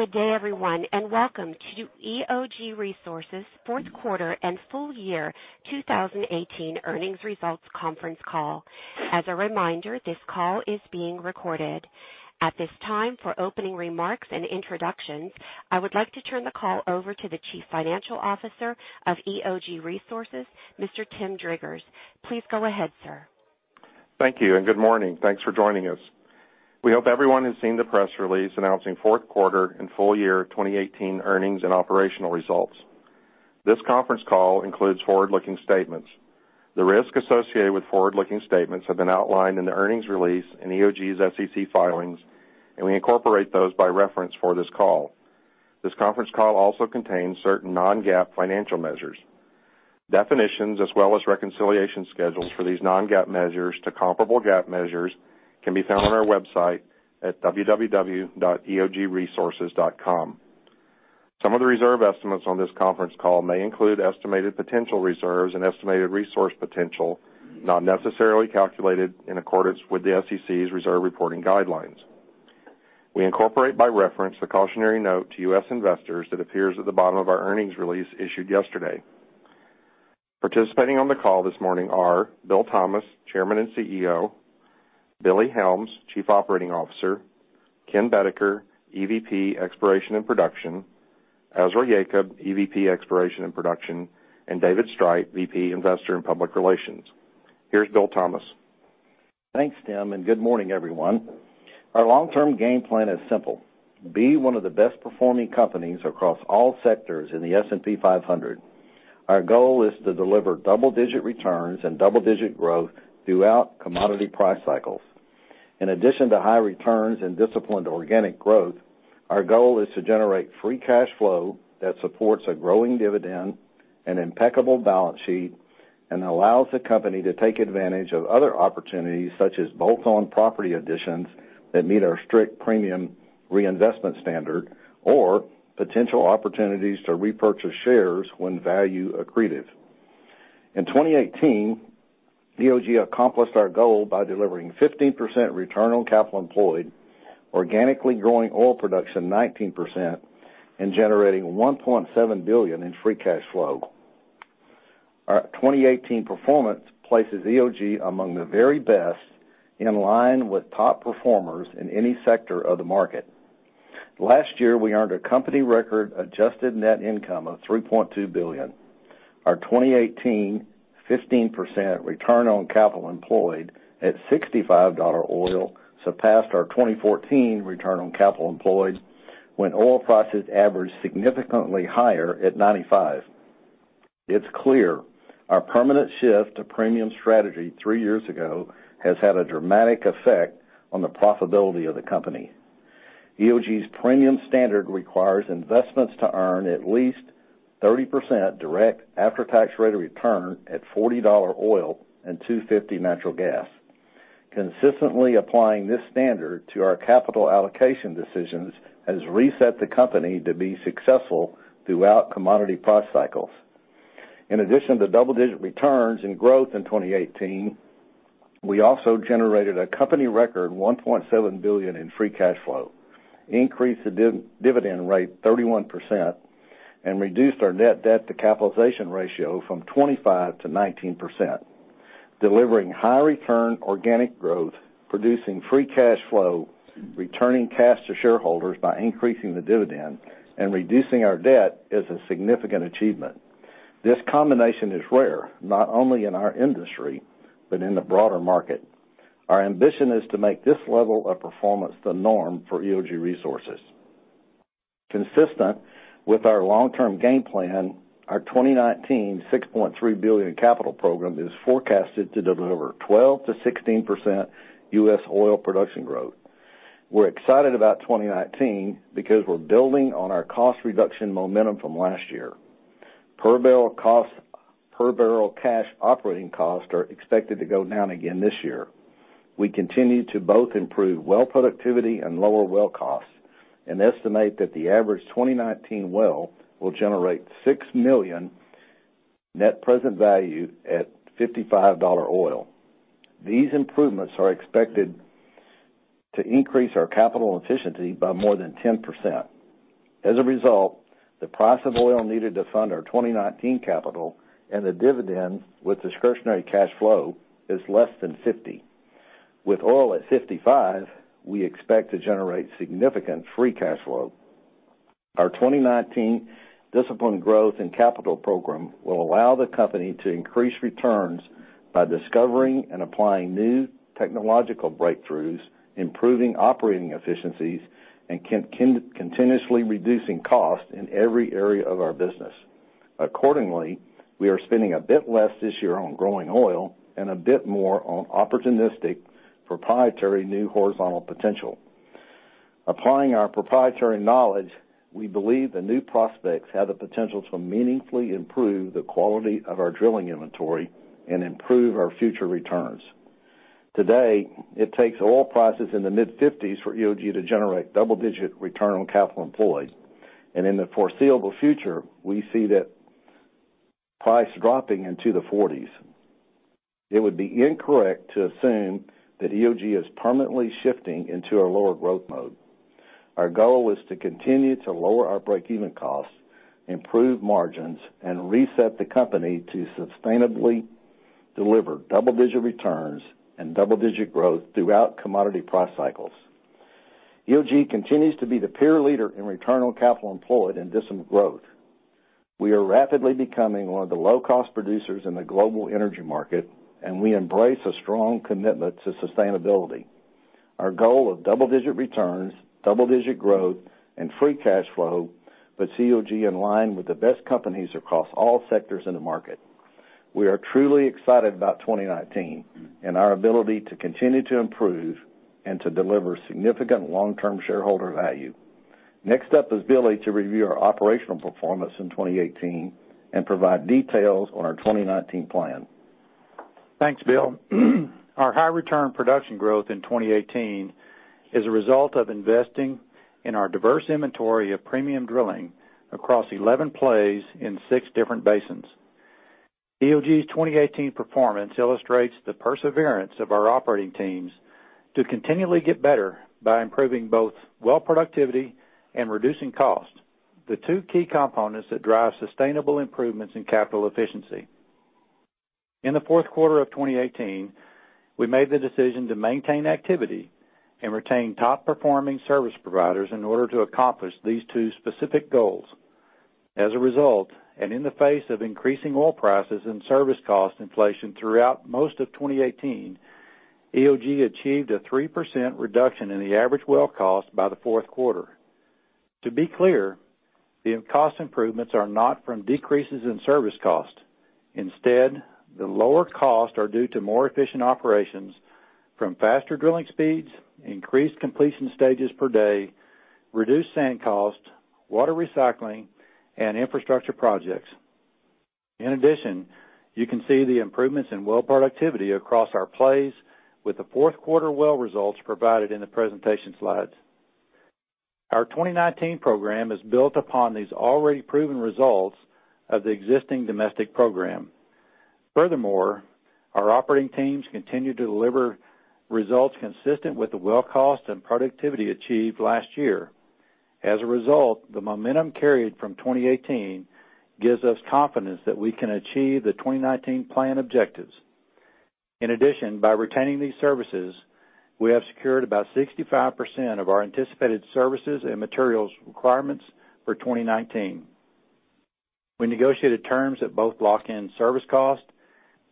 Good day everyone, welcome to EOG Resources' fourth quarter and full year 2018 earnings results conference call. As a reminder, this call is being recorded. At this time, for opening remarks and introductions, I would like to turn the call over to the Chief Financial Officer of EOG Resources, Mr. Tim Driggers. Please go ahead, sir. Thank you, and good morning. Thanks for joining us. We hope everyone has seen the press release announcing fourth quarter and full year 2018 earnings and operational results. This conference call includes forward-looking statements. The risks associated with forward-looking statements have been outlined in the earnings release in EOG's SEC filings, and we incorporate those by reference for this call. This conference call also contains certain non-GAAP financial measures. Definitions, as well as reconciliation schedules for these non-GAAP measures to comparable GAAP measures, can be found on our website at www.eogresources.com. Some of the reserve estimates on this conference call may include estimated potential reserves and estimated resource potential, not necessarily calculated in accordance with the SEC's reserve reporting guidelines. We incorporate by reference the cautionary note to U.S. investors that appears at the bottom of our earnings release issued yesterday. Participating on the call this morning are Bill Thomas, Chairman and CEO; Billy Helms, Chief Operating Officer; Ken Boedeker, EVP, Exploration and Production; Ezra Yacob, EVP, Exploration and Production; and David Streit, VP, Investor and Public Relations. Here's Bill Thomas. Thanks, Tim, and good morning everyone. Our long-term game plan is simple: be one of the best-performing companies across all sectors in the S&P 500. Our goal is to deliver double-digit returns and double-digit growth throughout commodity price cycles. In addition to high returns and disciplined organic growth, our goal is to generate free cash flow that supports a growing dividend, an impeccable balance sheet, and allows the company to take advantage of other opportunities, such as bolt-on property additions that meet our strict premium reinvestment standard, or potential opportunities to repurchase shares when value accretive. In 2018, EOG accomplished our goal by delivering 15% return on capital employed, organically growing oil production 19%, and generating $1.7 billion in free cash flow. Our 2018 performance places EOG among the very best, in line with top performers in any sector of the market. Last year, we earned a company record adjusted net income of $3.2 billion. Our 2018 15% return on capital employed at $65 oil surpassed our 2014 return on capital employed, when oil prices averaged significantly higher at $95. It's clear our permanent shift to premium strategy three years ago has had a dramatic effect on the profitability of the company. EOG's premium standard requires investments to earn at least 30% direct after-tax rate of return at $40 oil and $250 natural gas. Consistently applying this standard to our capital allocation decisions has reset the company to be successful throughout commodity price cycles. In addition to double-digit returns and growth in 2018, we also generated a company record $1.7 billion in free cash flow, increased the dividend rate 31%, and reduced our net debt to capitalization ratio from 25% to 19%. Delivering high return organic growth, producing free cash flow, returning cash to shareholders by increasing the dividend, and reducing our debt is a significant achievement. This combination is rare, not only in our industry, but in the broader market. Our ambition is to make this level of performance the norm for EOG Resources. Consistent with our long-term game plan, our 2019 $6.3 billion capital program is forecasted to deliver 12% to 16% U.S. oil production growth. We're excited about 2019 because we're building on our cost reduction momentum from last year. Per barrel cash operating costs are expected to go down again this year. We continue to both improve well productivity and lower well costs, and estimate that the average 2019 well will generate $6 million net present value at $55 oil. These improvements are expected to increase our capital efficiency by more than 10%. As a result, the price of oil needed to fund our 2019 capital and the dividend with discretionary cash flow is less than $50. With oil at $55, we expect to generate significant free cash flow. Our 2019 disciplined growth and capital program will allow the company to increase returns by discovering and applying new technological breakthroughs, improving operating efficiencies, and continuously reducing costs in every area of our business. Accordingly, we are spending a bit less this year on growing oil and a bit more on opportunistic proprietary new horizontal potential. Applying our proprietary knowledge, we believe the new prospects have the potential to meaningfully improve the quality of our drilling inventory and improve our future returns. Today, it takes oil prices in the mid-$50s for EOG to generate double-digit return on capital employed, and in the foreseeable future, we see that price dropping into the $40s. It would be incorrect to assume that EOG is permanently shifting into a lower growth mode. Our goal is to continue to lower our breakeven costs, improve margins, and reset the company to sustainably deliver double-digit returns and double-digit growth throughout commodity price cycles. EOG continues to be the peer leader in return on capital employed and disciplined growth. We are rapidly becoming one of the low-cost producers in the global energy market, and we embrace a strong commitment to sustainability. Our goal of double-digit returns, double-digit growth, and free cash flow, puts EOG in line with the best companies across all sectors in the market. We are truly excited about 2019 and our ability to continue to improve and to deliver significant long-term shareholder value. Next up is Billy to review our operational performance in 2018 and provide details on our 2019 plan. Thanks, Bill. Our high return production growth in 2018 is a result of investing in our diverse inventory of premium drilling across 11 plays in six different basins. EOG's 2018 performance illustrates the perseverance of our operating teams to continually get better by improving both well productivity and reducing costs, the two key components that drive sustainable improvements in capital efficiency. In the fourth quarter of 2018, we made the decision to maintain activity and retain top-performing service providers in order to accomplish these two specific goals. As a result, and in the face of increasing oil prices and service cost inflation throughout most of 2018, EOG achieved a 3% reduction in the average well cost by the fourth quarter. To be clear, the cost improvements are not from decreases in service cost. The lower costs are due to more efficient operations from faster drilling speeds, increased completion stages per day, reduced sand costs, water recycling, and infrastructure projects. You can see the improvements in well productivity across our plays with the fourth quarter well results provided in the presentation slides. Our 2019 program is built upon these already proven results of the existing domestic program. Our operating teams continue to deliver results consistent with the well cost and productivity achieved last year. The momentum carried from 2018 gives us confidence that we can achieve the 2019 plan objectives. By retaining these services, we have secured about 65% of our anticipated services and materials requirements for 2019. We negotiated terms that both lock in service cost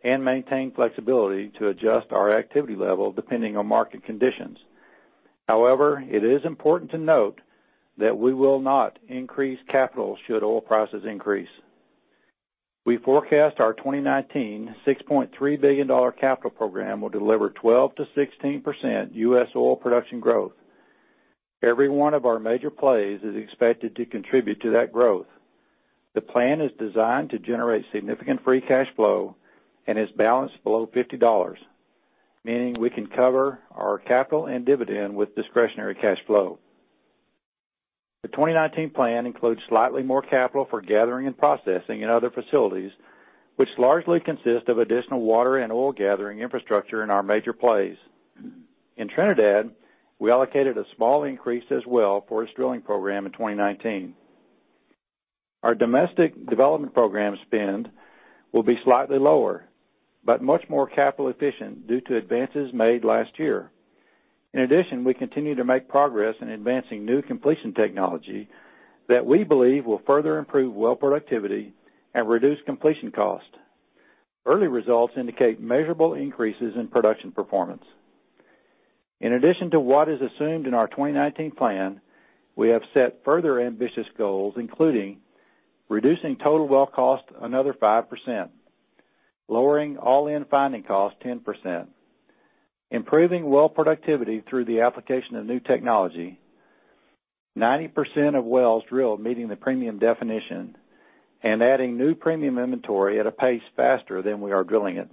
and maintain flexibility to adjust our activity level depending on market conditions. It is important to note that we will not increase capital should oil prices increase. We forecast our 2019 $6.3 billion capital program will deliver 12%-16% U.S. oil production growth. Every one of our major plays is expected to contribute to that growth. The plan is designed to generate significant free cash flow and is balanced below $50, meaning we can cover our capital and dividend with discretionary cash flow. The 2019 plan includes slightly more capital for gathering and processing in other facilities, which largely consist of additional water and oil gathering infrastructure in our major plays. In Trinidad, we allocated a small increase as well for its drilling program in 2019. Our domestic development program spend will be slightly lower, but much more capital efficient due to advances made last year. We continue to make progress in advancing new completion technology that we believe will further improve well productivity and reduce completion cost. Early results indicate measurable increases in production performance. In addition to what is assumed in our 2019 plan, we have set further ambitious goals, including reducing total well cost another 5%, lowering all-in finding cost 10%, improving well productivity through the application of new technology, 90% of wells drilled meeting the premium definition, and adding new premium inventory at a pace faster than we are drilling it.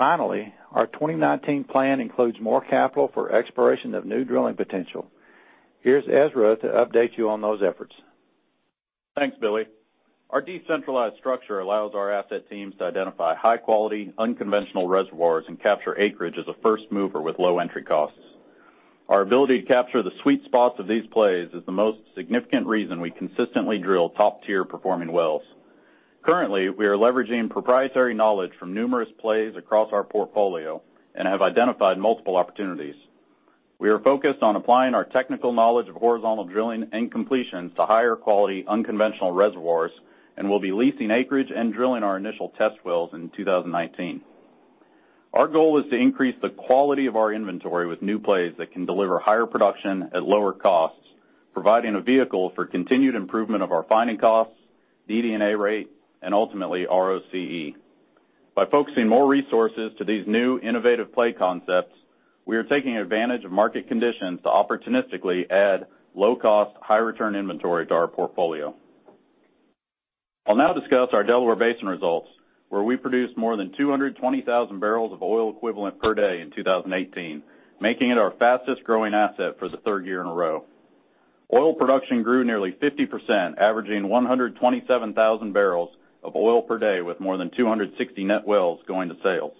Our 2019 plan includes more capital for exploration of new drilling potential. Here's Ezra to update you on those efforts. Thanks, Billy. Our decentralized structure allows our asset teams to identify high-quality unconventional reservoirs and capture acreage as a first mover with low entry costs. Our ability to capture the sweet spots of these plays is the most significant reason we consistently drill top-tier performing wells. Currently, we are leveraging proprietary knowledge from numerous plays across our portfolio and have identified multiple opportunities. We are focused on applying our technical knowledge of horizontal drilling and completions to higher quality unconventional reservoirs and will be leasing acreage and drilling our initial test wells in 2019. Our goal is to increase the quality of our inventory with new plays that can deliver higher production at lower costs, providing a vehicle for continued improvement of our finding costs, DD&A rate, and ultimately ROCE. By focusing more resources to these new innovative play concepts, we are taking advantage of market conditions to opportunistically add low-cost, high-return inventory to our portfolio. I'll now discuss our Delaware Basin results, where we produced more than 220,000 barrels of oil equivalent per day in 2018, making it our fastest-growing asset for the third year in a row. Oil production grew nearly 50%, averaging 127,000 barrels of oil per day, with more than 260 net wells going to sales.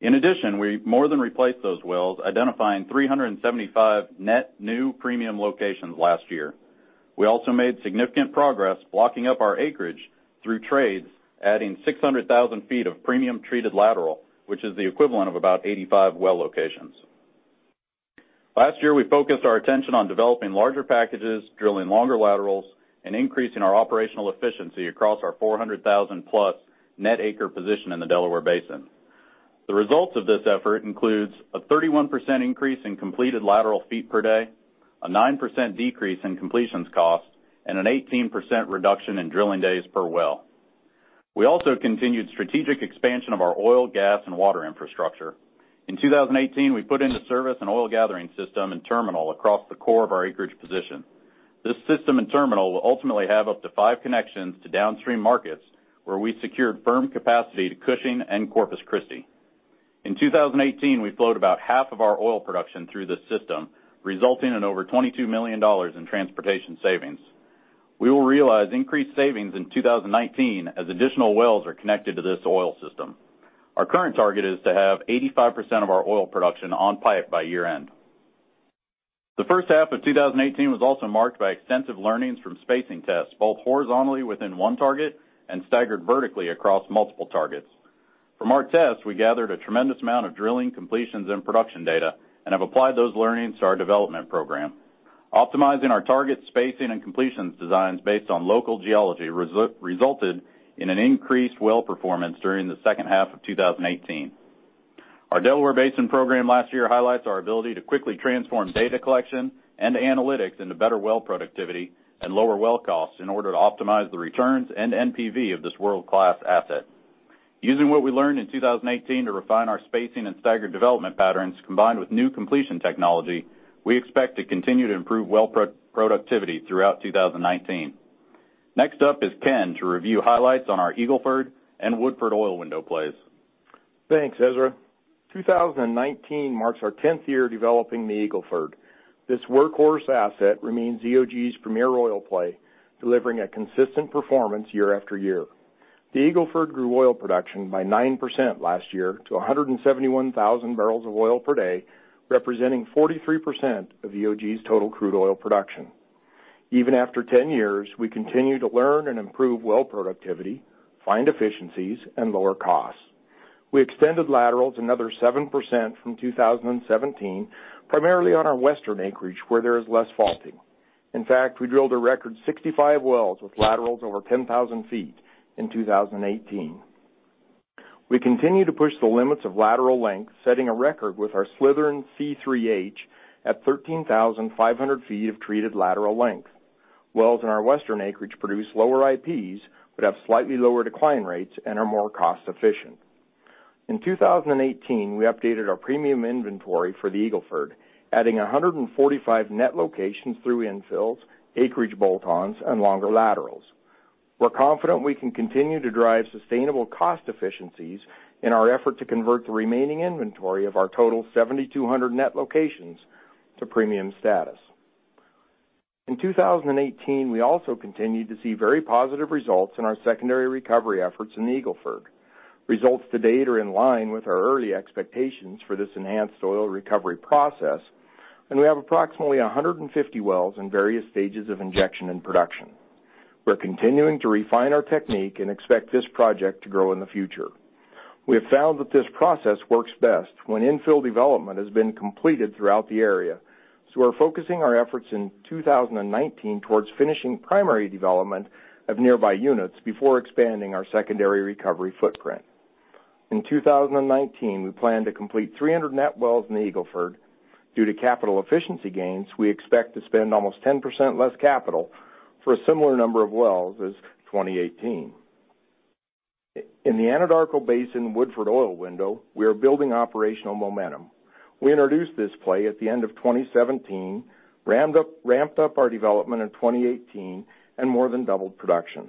In addition, we more than replaced those wells, identifying 375 net new premium locations last year. We also made significant progress blocking up our acreage through trades, adding 600,000 feet of premium treated lateral, which is the equivalent of about 85 well locations. Last year, we focused our attention on developing larger packages, drilling longer laterals, and increasing our operational efficiency across our 400,000-plus net acre position in the Delaware Basin. The results of this effort includes a 31% increase in completed lateral feet per day, a 9% decrease in completions costs, and an 18% reduction in drilling days per well. We also continued strategic expansion of our oil, gas, and water infrastructure. In 2018, we put into service an oil gathering system and terminal across the core of our acreage position. This system and terminal will ultimately have up to five connections to downstream markets, where we secured firm capacity to Cushing and Corpus Christi. In 2018, we flowed about half of our oil production through this system, resulting in over $22 million in transportation savings. We will realize increased savings in 2019 as additional wells are connected to this oil system. Our current target is to have 85% of our oil production on pipe by year-end. The first half of 2018 was also marked by extensive learnings from spacing tests, both horizontally within one target and staggered vertically across multiple targets. From our tests, we gathered a tremendous amount of drilling, completions, and production data, and have applied those learnings to our development program. Optimizing our target spacing and completions designs based on local geology resulted in an increased well performance during the second half of 2018. Our Delaware Basin program last year highlights our ability to quickly transform data collection and analytics into better well productivity and lower well costs in order to optimize the returns and NPV of this world-class asset. Using what we learned in 2018 to refine our spacing and staggered development patterns, combined with new completion technology, we expect to continue to improve well productivity throughout 2019. Next up is Ken to review highlights on our Eagle Ford and Woodford Oil Window plays. Thanks, Ezra. 2019 marks our tenth year developing the Eagle Ford. This workhorse asset remains EOG's premier oil play, delivering a consistent performance year after year. The Eagle Ford grew oil production by 9% last year to 171,000 barrels of oil per day, representing 43% of EOG's total crude oil production. Even after ten years, we continue to learn and improve well productivity, find efficiencies, and lower costs. We extended laterals another 7% from 2017, primarily on our western acreage, where there is less faulting. In fact, we drilled a record 65 wells with laterals over 10,000 feet in 2018. We continue to push the limits of lateral length, setting a record with our Slithern C3H at 13,500 feet of treated lateral length. Wells in our western acreage produce lower IPs, but have slightly lower decline rates and are more cost efficient. In 2018, we updated our premium inventory for the Eagle Ford, adding 145 net locations through infills, acreage bolt-ons, and longer laterals. We're confident we can continue to drive sustainable cost efficiencies in our effort to convert the remaining inventory of our total 7,200 net locations to premium status. In 2018, we also continued to see very positive results in our secondary recovery efforts in the Eagle Ford. Results to date are in line with our early expectations for this enhanced oil recovery process, and we have approximately 150 wells in various stages of injection and production. We're continuing to refine our technique and expect this project to grow in the future. We have found that this process works best when infill development has been completed throughout the area. We're focusing our efforts in 2019 towards finishing primary development of nearby units before expanding our secondary recovery footprint. In 2019, we plan to complete 300 net wells in the Eagle Ford. Due to capital efficiency gains, we expect to spend almost 10% less capital for a similar number of wells as 2018. In the Anadarko Basin Woodford Oil Window, we are building operational momentum. We introduced this play at the end of 2017, ramped up our development in 2018, and more than doubled production.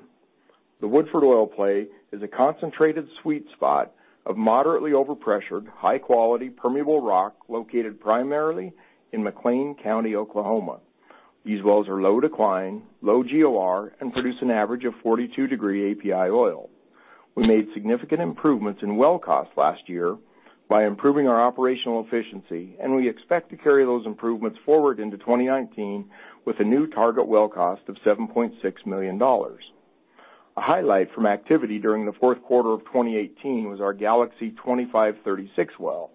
The Woodford Oil play is a concentrated sweet spot of moderately overpressured, high-quality, permeable rock located primarily in McClain County, Oklahoma. These wells are low decline, low GOR, and produce an average of 42 degree API oil. We made significant improvements in well cost last year by improving our operational efficiency, and we expect to carry those improvements forward into 2019 with a new target well cost of $7.6 million. A highlight from activity during the fourth quarter of 2018 was our Galaxy 2536 well.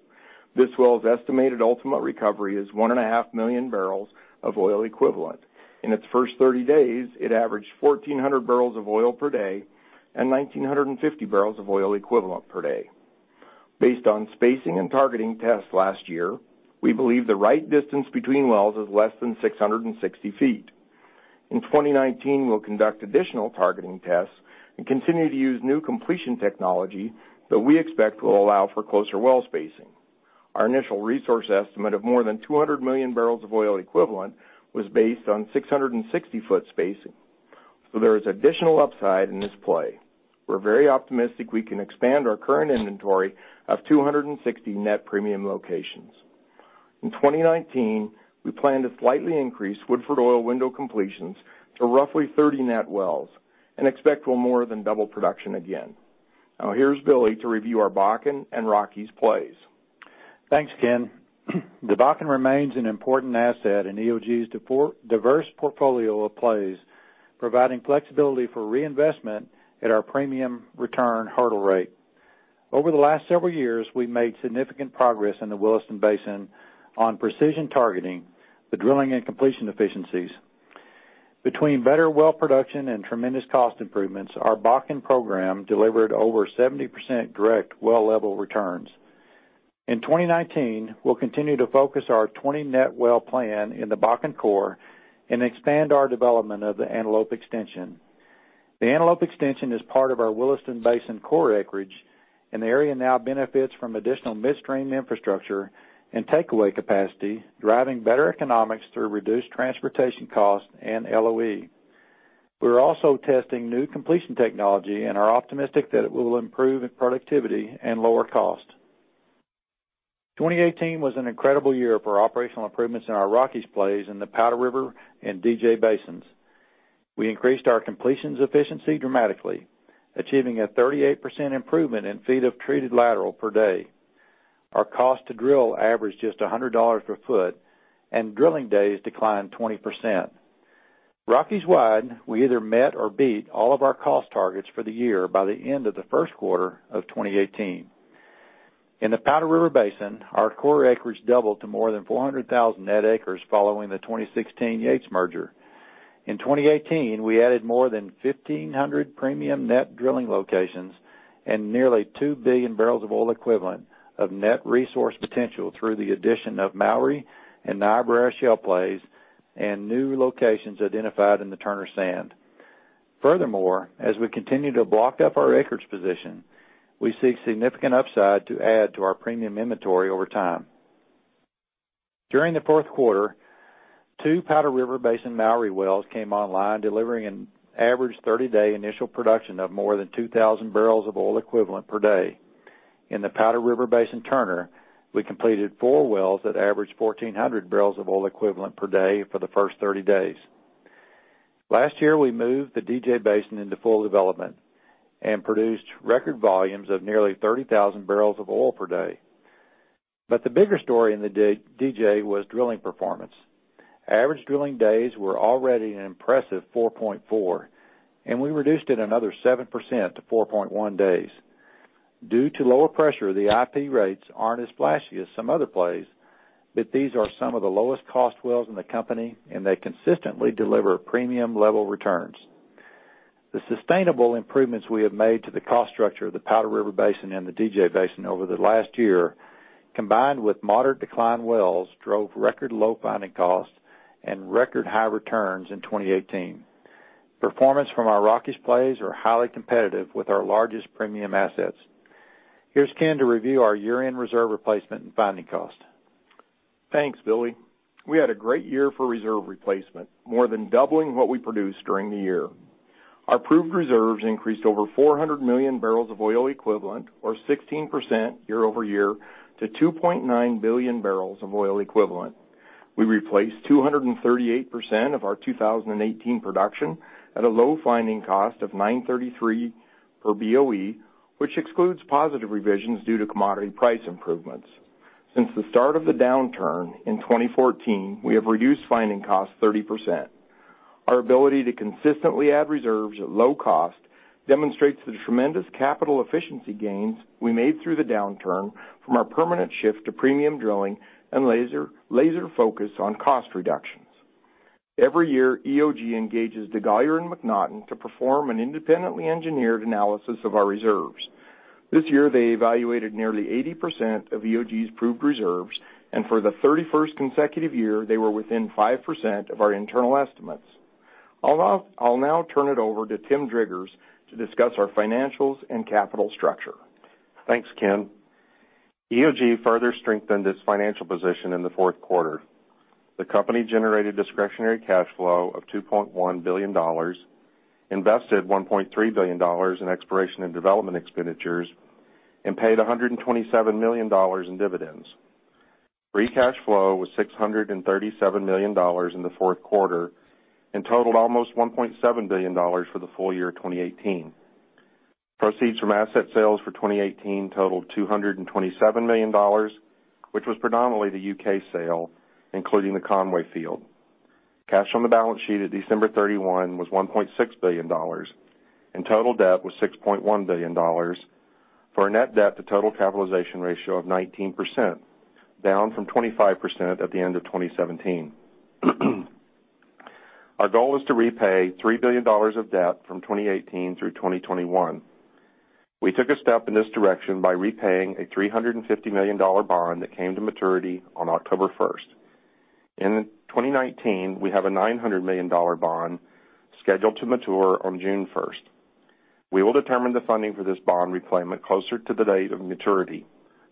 This well's estimated ultimate recovery is 1.5 million barrels of oil equivalent. In its first 30 days, it averaged 1,400 barrels of oil per day, and 1,950 barrels of oil equivalent per day. Based on spacing and targeting tests last year, we believe the right distance between wells is less than 660 feet. In 2019, we'll conduct additional targeting tests and continue to use new completion technology that we expect will allow for closer well spacing. Our initial resource estimate of more than 200 million barrels of oil equivalent was based on 660-foot spacing. There is additional upside in this play. We're very optimistic we can expand our current inventory of 260 net premium locations. In 2019, we plan to slightly increase Woodford oil window completions to roughly 30 net wells and expect we'll more than double production again. Here's Billy to review our Bakken and Rockies plays. Thanks, Ken. The Bakken remains an important asset in EOG's diverse portfolio of plays, providing flexibility for reinvestment at our premium return hurdle rate. Over the last several years, we've made significant progress in the Williston Basin on precision targeting, the drilling and completion efficiencies. Between better well production and tremendous cost improvements, our Bakken program delivered over 70% direct well level returns. In 2019, we'll continue to focus our 20 net well plan in the Bakken core and expand our development of the Antelope extension. The Antelope extension is part of our Williston Basin core acreage, and the area now benefits from additional midstream infrastructure and takeaway capacity, driving better economics through reduced transportation costs and LOE. We're also testing new completion technology and are optimistic that it will improve productivity and lower cost. 2018 was an incredible year for operational improvements in our Rockies plays in the Powder River and DJ basins. EOG increased our completions efficiency dramatically, achieving a 38% improvement in feet of treated lateral per day. Our cost to drill averaged just $100 per foot, and drilling days declined 20%. Rockies-wide, we either met or beat all of our cost targets for the year by the end of the first quarter of 2018. In the Powder River Basin, our core acreage doubled to more than 400,000 net acres following the 2016 Yates merger. In 2018, we added more than 1,500 premium net drilling locations and nearly 2 billion barrels of oil equivalent of net resource potential through the addition of Mowry and Niobrara Shale plays and new locations identified in the Turner Sand. Furthermore, as we continue to block up our acreage position, we seek significant upside to add to our premium inventory over time. During the fourth quarter, two Powder River Basin Mowry wells came online, delivering an average 30-day initial production of more than 2,000 barrels of oil equivalent per day. In the Powder River Basin Turner, we completed four wells that averaged 1,400 barrels of oil equivalent per day for the first 30 days. Last year, we moved the DJ Basin into full development and produced record volumes of nearly 30,000 barrels of oil per day. The bigger story in the DJ was drilling performance. Average drilling days were already an impressive 4.4, and we reduced it another 7% to 4.1 days. Due to lower pressure, the IP rates aren't as flashy as some other plays, but these are some of the lowest cost wells in the company, and they consistently deliver premium level returns. The sustainable improvements we have made to the cost structure of the Powder River Basin and the DJ Basin over the last year, combined with moderate decline wells, drove record low finding costs and record high returns in 2018. Performance from our Rockies plays are highly competitive with our largest premium assets. Here's Ken to review our year-end reserve replacement and finding cost. Thanks, Billy. We had a great year for reserve replacement, more than doubling what we produced during the year. Our proved reserves increased over 400 million barrels of oil equivalent, or 16% year-over-year, to 2.9 billion barrels of oil equivalent. We replaced 238% of our 2018 production at a low finding cost of $9.33 per BOE, which excludes positive revisions due to commodity price improvements. Since the start of the downturn in 2014, we have reduced finding costs 30%. Our ability to consistently add reserves at low cost demonstrates the tremendous capital efficiency gains we made through the downturn from our permanent shift to premium drilling and laser focus on cost reductions. Every year, EOG engages DeGolyer and MacNaughton to perform an independently engineered analysis of our reserves. This year, they evaluated nearly 80% of EOG's proved reserves, and for the 31st consecutive year, they were within 5% of our internal estimates. I'll now turn it over to Tim Driggers to discuss our financials and capital structure. Thanks, Ken. EOG further strengthened its financial position in the fourth quarter. The company generated discretionary cash flow of $2.1 billion, invested $1.3 billion in exploration and development expenditures, and paid $127 million in dividends. Free cash flow was $637 million in the fourth quarter and totaled almost $1.7 billion for the full year 2018. Proceeds from asset sales for 2018 totaled $227 million, which was predominantly the U.K. sale, including the Conway field. Cash on the balance sheet at December 31 was $1.6 billion, and total debt was $6.1 billion for a net debt to total capitalization ratio of 19%, down from 25% at the end of 2017. Our goal is to repay $3 billion of debt from 2018 through 2021. We took a step in this direction by repaying a $350 million bond that came to maturity on October 1st. In 2019, we have a $900 million bond scheduled to mature on June 1st. We will determine the funding for this bond repayment closer to the date of maturity,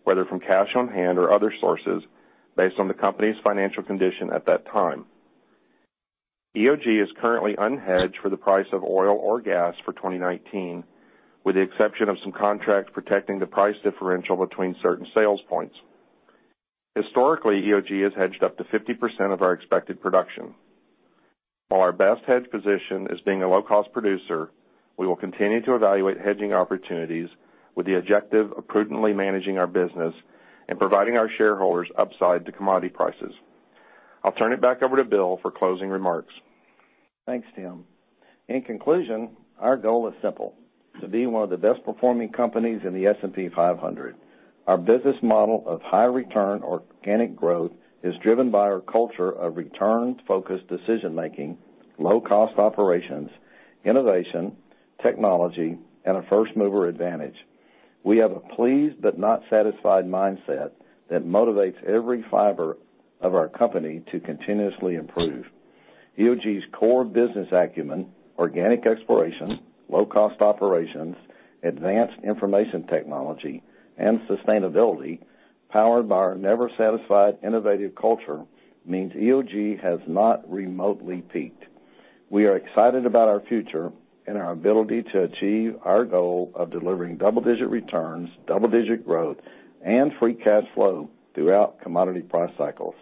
whether from cash on hand or other sources, based on the company's financial condition at that time. EOG is currently unhedged for the price of oil or gas for 2019, with the exception of some contracts protecting the price differential between certain sales points. Historically, EOG has hedged up to 50% of our expected production. While our best hedge position is being a low-cost producer, we will continue to evaluate hedging opportunities with the objective of prudently managing our business and providing our shareholders upside to commodity prices. I'll turn it back over to Bill for closing remarks. Thanks, Tim. In conclusion, our goal is simple, to be one of the best-performing companies in the S&P 500. Our business model of high return organic growth is driven by our culture of return-focused decision-making, low-cost operations, innovation, technology, and a first-mover advantage. We have a pleased but not satisfied mindset that motivates every fiber of our company to continuously improve. EOG's core business acumen, organic exploration, low-cost operations, advanced information technology, and sustainability, powered by our never-satisfied innovative culture, means EOG has not remotely peaked. We are excited about our future and our ability to achieve our goal of delivering double-digit returns, double-digit growth, and free cash flow throughout commodity price cycles.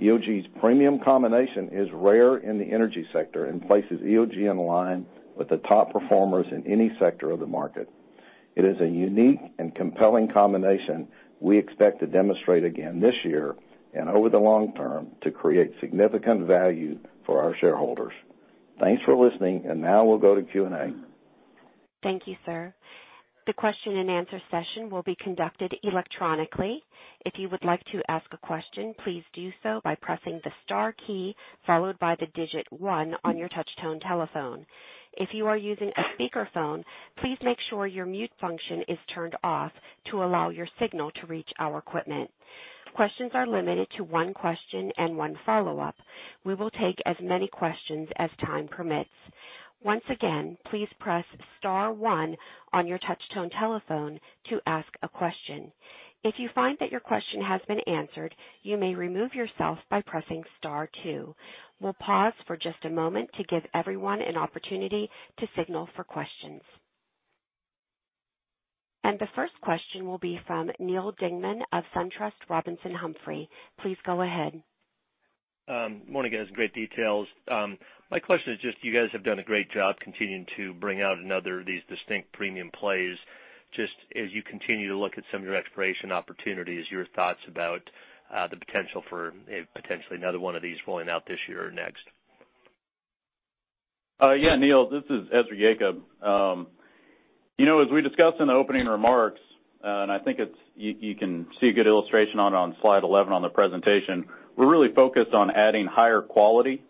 EOG's premium combination is rare in the energy sector and places EOG in line with the top performers in any sector of the market. It is a unique and compelling combination we expect to demonstrate again this year, and over the long term, to create significant value for our shareholders. Thanks for listening. Now we'll go to Q&A. Thank you, sir. The question and answer session will be conducted electronically. If you would like to ask a question, please do so by pressing the star key followed by the digit one on your touch-tone telephone. If you are using a speakerphone, please make sure your mute function is turned off to allow your signal to reach our equipment. Questions are limited to one question and one follow-up. We will take as many questions as time permits. Once again, please press star one on your touch-tone telephone to ask a question. If you find that your question has been answered, you may remove yourself by pressing star two. We'll pause for just a moment to give everyone an opportunity to signal for questions. The first question will be from Neal Dingmann of SunTrust Robinson Humphrey. Please go ahead. Good morning, guys. Great details. My question is just you guys have done a great job continuing to bring out another of these distinct premium plays. Just as you continue to look at some of your exploration opportunities, your thoughts about the potential for potentially another one of these rolling out this year or next? Yeah, Neal, this is Ezra Yacob. As we discussed in the opening remarks, I think you can see a good illustration on Slide 11 on the presentation, we're really focused on adding higher quality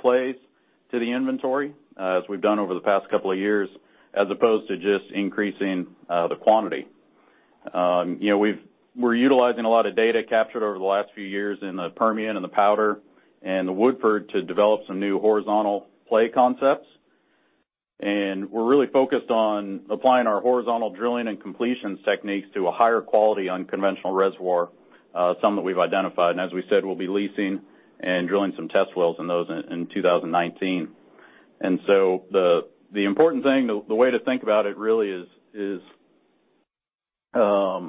plays to the inventory, as we've done over the past couple of years, as opposed to just increasing the quantity. We're utilizing a lot of data captured over the last few years in the Permian and the Powder and the Woodford to develop some new horizontal play concepts. We're really focused on applying our horizontal drilling and completions techniques to a higher quality unconventional reservoir, some that we've identified. As we said, we'll be leasing and drilling some test wells in those in 2019. The important thing, the way to think about it really is, since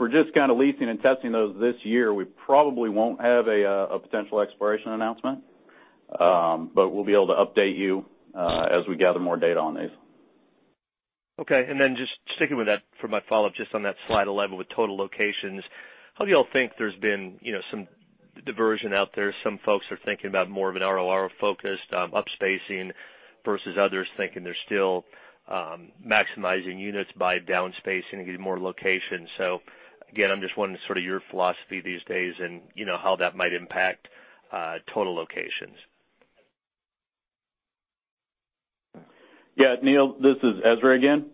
we're just kind of leasing and testing those this year, we probably won't have a potential exploration announcement. We'll be able to update you as we gather more data on these. Just sticking with that for my follow-up, just on that Slide 11 with total locations, how do you all think there's been some diversion out there? Some folks are thinking about more of an ROR focused upspacing versus others thinking they're still maximizing units by downspacing to get more locations. Again, I'm just wondering sort of your philosophy these days and how that might impact total locations. Yeah, Neal, this is Ezra again.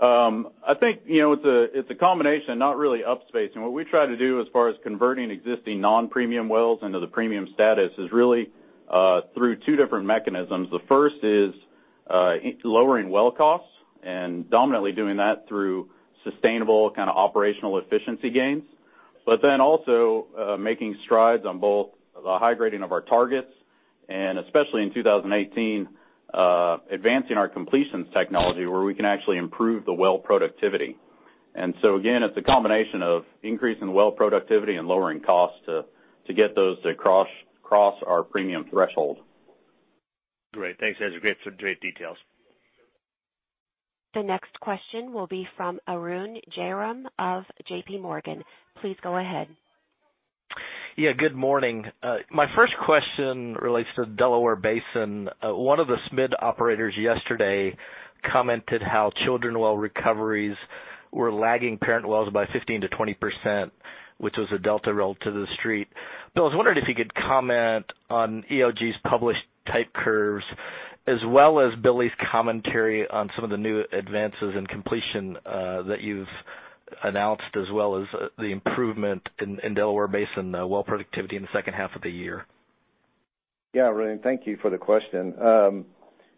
I think it's a combination, not really upspacing. What we try to do as far as converting existing non-premium wells into the premium status is really through two different mechanisms. The first is lowering well costs and dominantly doing that through sustainable kind of operational efficiency gains, also making strides on both the high grading of our targets and, especially in 2018, advancing our completions technology where we can actually improve the well productivity. Again, it's a combination of increasing well productivity and lowering costs to get those to cross our premium threshold. Great. Thanks, Ezra. Great details. The next question will be from Arun Jayaram of JPMorgan Securities. Please go ahead. Yeah, good morning. My first question relates to the Delaware Basin. One of the SMID-cap operators yesterday commented how children well recoveries were lagging parent wells by 15%-20%, which was a delta roll to the Street. Bill, I was wondering if you could comment on EOG's published type curves, as well as Billy's commentary on some of the new advances in completion that you've announced as well as the improvement in Delaware Basin well productivity in the second half of the year. Yeah, Rune, thank you for the question.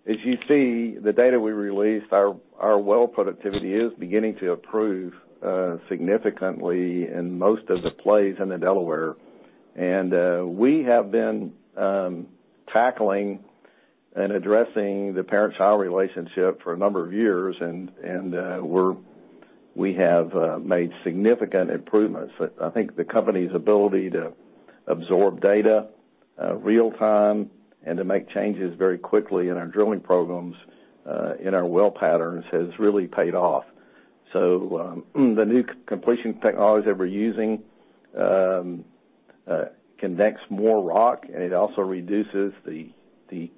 As you see, the data we released, our well productivity is beginning to improve significantly in most of the plays in the Delaware. We have been tackling and addressing the parent-child relationship for a number of years, and we have made significant improvements. I think the company's ability to absorb data real time and to make changes very quickly in our drilling programs, in our well patterns has really paid off. The new completion technologies that we're using connects more rock, and it also reduces the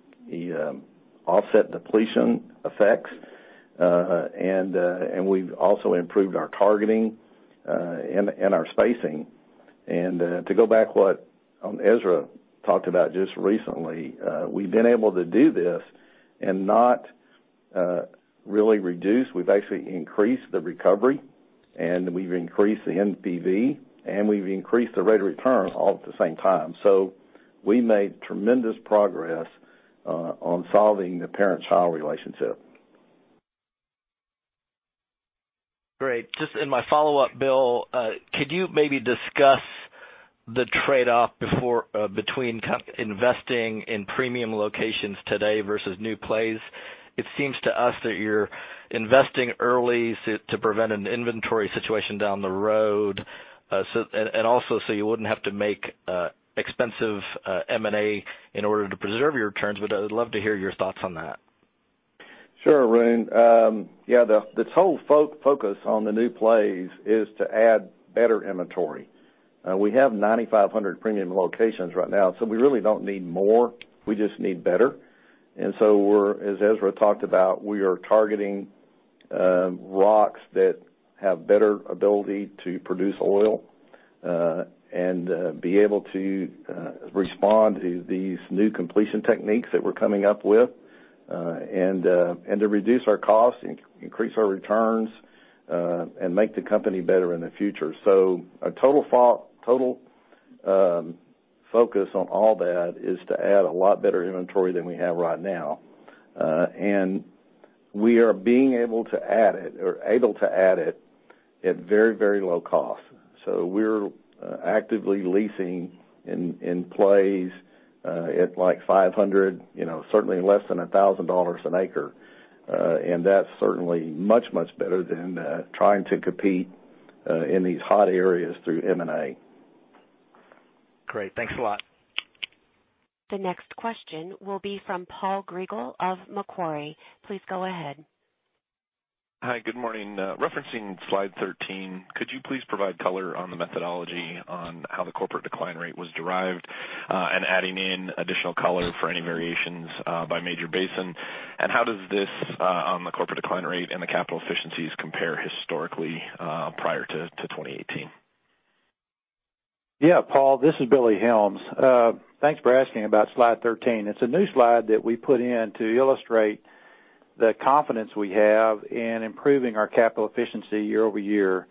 offset depletion effects. We've also improved our targeting and our spacing. To go back what Ezra talked about just recently, we've been able to do this and not really reduce. We've actually increased the recovery, and we've increased the NPV, and we've increased the rate of return all at the same time. We made tremendous progress on solving the parent-child relationship. Great. Just in my follow-up, Bill, could you maybe discuss the trade-off between investing in premium locations today versus new plays? It seems to us that you're investing early to prevent an inventory situation down the road, and also so you wouldn't have to make expensive M&A in order to preserve your returns. I would love to hear your thoughts on that. Sure, Arun. This whole focus on the new plays is to add better inventory. We have 9,500 premium locations right now, we really don't need more. We just need better. As Ezra talked about, we are targeting rocks that have better ability to produce oil, and be able to respond to these new completion techniques that we're coming up with, and to reduce our costs, increase our returns, and make the company better in the future. Our total focus on all that is to add a lot better inventory than we have right now. We are being able to add it or able to add it at very low cost. We're actively leasing in plays at like $500, certainly less than $1,000 an acre. That's certainly much better than trying to compete in these hot areas through M&A. Great. Thanks a lot. The next question will be from Paul Grigel of Macquarie. Please go ahead. Hi. Good morning. Referencing slide 13, could you please provide color on the methodology on how the corporate decline rate was derived, adding in additional color for any variations by major basin? How does this, the corporate decline rate and the capital efficiencies compare historically prior to 2018? Yeah, Paul, this is Billy Helms. Thanks for asking about slide 13. It's a new slide that we put in to illustrate the confidence we have in improving our capital efficiency year-over-year.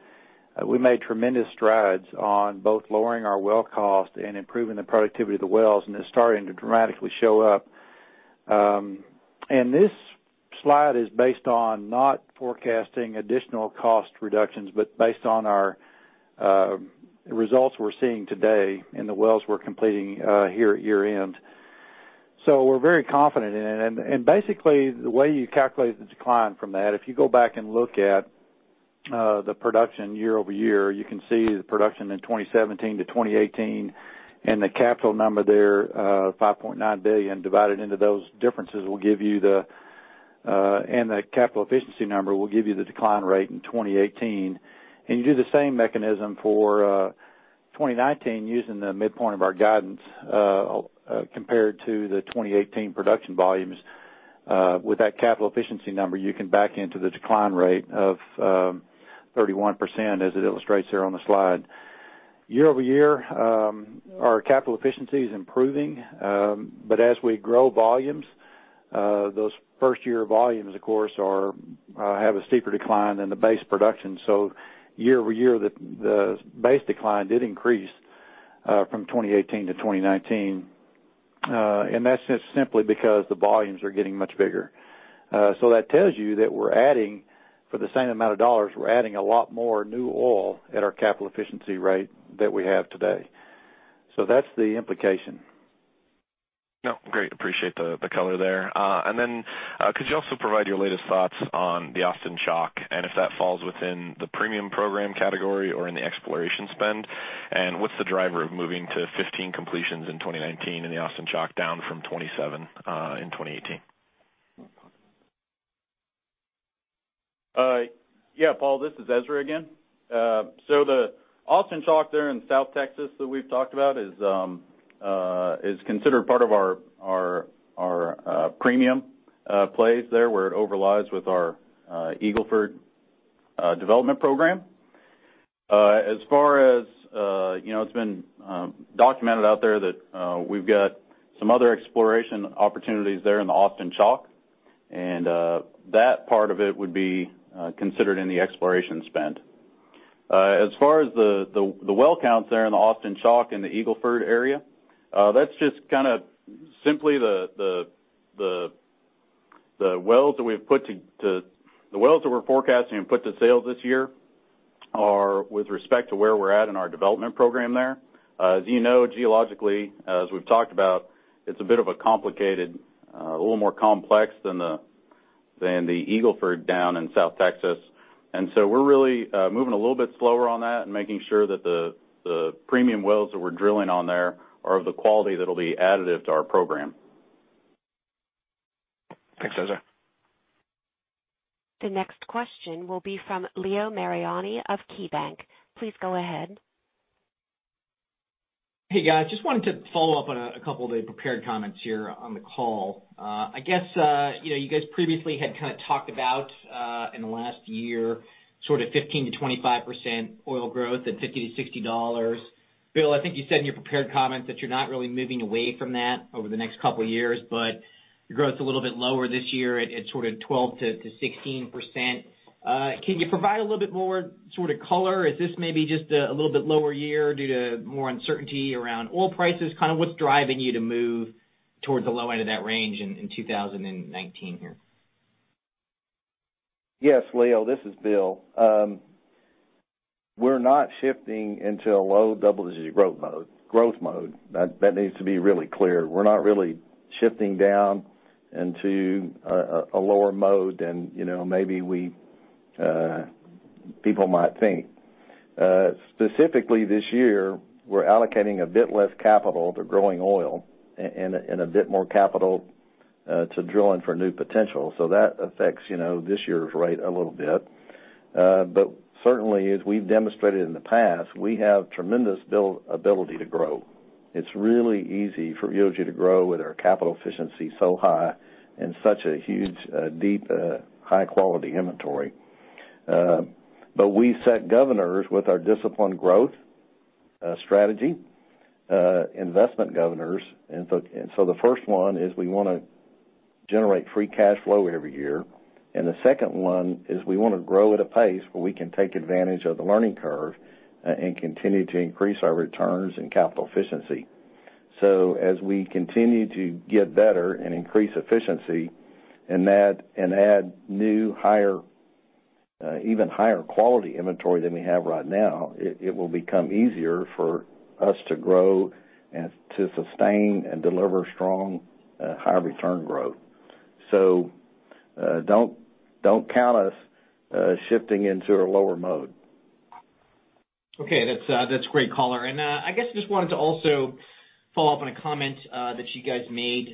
We made tremendous strides on both lowering our well cost and improving the productivity of the wells, and it's starting to dramatically show up. This slide is based on not forecasting additional cost reductions, but based on our results we're seeing today in the wells we're completing here at year-end. We're very confident in it. Basically, the way you calculate the decline from that, if you go back and look at the production year-over-year, you can see the production in 2017 to 2018, and the capital number there, $5.9 billion, divided into those differences and the capital efficiency number will give you the decline rate in 2018. You do the same mechanism for 2019 using the midpoint of our guidance compared to the 2018 production volumes. With that capital efficiency number, you can back into the decline rate of 31% as it illustrates there on the slide. Year-over-year, our capital efficiency is improving. As we grow volumes, those first-year volumes, of course, have a steeper decline than the base production. Year-over-year, the base decline did increase from 2018 to 2019. That's just simply because the volumes are getting much bigger. That tells you that we're adding, for the same amount of dollars, we're adding a lot more new oil at our capital efficiency rate that we have today. That's the implication. No. Great. Appreciate the color there. Then could you also provide your latest thoughts on the Austin Chalk, and if that falls within the premium program category or in the exploration spend? What's the driver of moving to 15 completions in 2019 in the Austin Chalk down from 27 in 2018? Paul, this is Ezra again. The Austin Chalk there in South Texas that we've talked about is considered part of our premium plays there, where it overlies with our Eagle Ford development program. It's been documented out there that we've got some other exploration opportunities there in the Austin Chalk. That part of it would be considered in the exploration spend. As far as the well counts there in the Austin Chalk and the Eagle Ford area, that's just simply the wells that we're forecasting and put to sales this year are with respect to where we're at in our development program there. As you know, geologically, as we've talked about, it's a bit of a complicated, a little more complex than the Eagle Ford down in South Texas. We're really moving a little bit slower on that and making sure that the premium wells that we're drilling on there are of the quality that'll be additive to our program. Thanks, Ezra. The next question will be from Leo Mariani of KeyBanc. Please go ahead. Hey, guys. Just wanted to follow up on a couple of the prepared comments here on the call. I guess you guys previously had talked about, in the last year, sort of 15%-25% oil growth at $50-$60. Bill, I think you said in your prepared comments that you're not really moving away from that over the next couple of years, but your growth's a little bit lower this year at sort of 12%-16%. Can you provide a little bit more color? Is this maybe just a little bit lower year due to more uncertainty around oil prices? What's driving you to move towards the low end of that range in 2019 here? Yes, Leo, this is Bill. We're not shifting into a low double-digit growth mode. That needs to be really clear. We're not really shifting down into a lower mode than maybe people might think. Specifically this year, we're allocating a bit less capital to growing oil and a bit more capital to drilling for new potential. That affects this year's rate a little bit. Certainly, as we've demonstrated in the past, we have tremendous ability to grow. It's really easy for EOG to grow with our capital efficiency so high and such a huge, deep, high-quality inventory. We set governors with our disciplined growth strategy, investment governors. The first one is we want to generate free cash flow every year, and the second one is we want to grow at a pace where we can take advantage of the learning curve and continue to increase our returns and capital efficiency. As we continue to get better and increase efficiency and add new, even higher quality inventory than we have right now, it will become easier for us to grow and to sustain and deliver strong, high return growth. Don't count us shifting into a lower mode. Okay. That's great color. I guess I just wanted to also follow up on a comment that you guys made.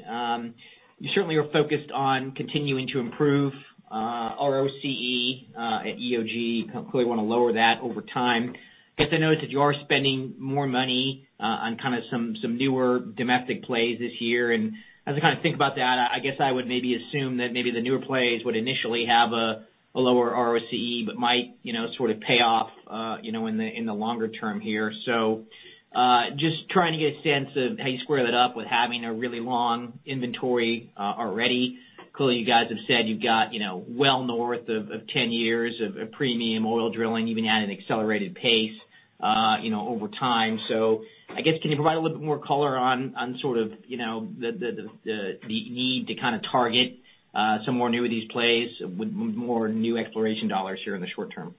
You certainly are focused on continuing to improve ROCE at EOG, clearly want to lower that over time. I guess I noticed that you are spending more money on some newer domestic plays this year, and as I think about that, I guess I would maybe assume that maybe the newer plays would initially have a lower ROCE, but might sort of pay off in the longer term here. Just trying to get a sense of how you square that up with having a really long inventory already. Clearly, you guys have said you've got well north of 10 years of premium oil drilling, even at an accelerated pace over time. I guess, can you provide a little bit more color on sort of the need to target some more newer of these plays with more new exploration dollars here in the short term?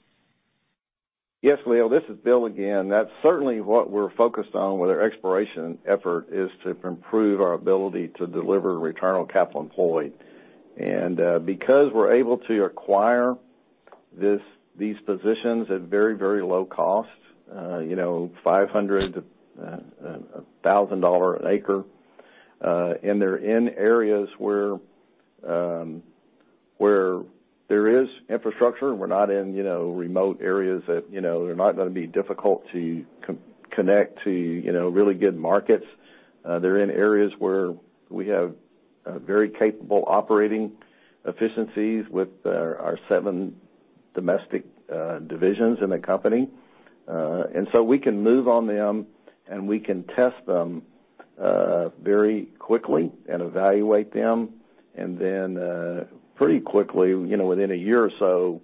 Yes, Leo, this is Bill again. That's certainly what we're focused on with our exploration effort is to improve our ability to deliver return on capital employed. Because we're able to acquire these positions at very low cost, $500 to $1,000 an acre, and they're in areas where there is infrastructure. We're not in remote areas that are not going to be difficult to connect to really good markets. They're in areas where we have very capable operating efficiencies with our seven domestic divisions in the company. We can move on them, and we can test them very quickly and evaluate them, and then pretty quickly, within a year or so,